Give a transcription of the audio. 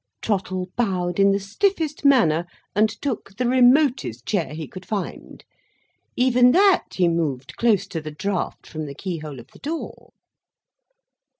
Trottle bowed in the stiffest manner, and took the remotest chair he could find. Even that, he moved close to the draught from the keyhole of the door.